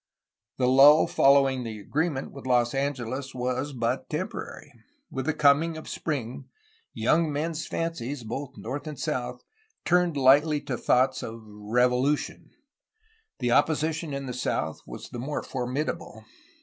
The lull following the agreement with Los Angeles was but temporary. With the coming of spring, "young men's fancies," both north and south, 'Humed hghtly " to thoughts of revolution. The opposition in the south was the more formidable.